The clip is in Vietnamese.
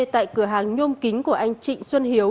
tại cửa hàng nhôm kính của anh trịnh xuân hiếu